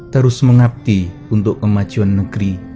terus mengabdi untuk kemajuan negeri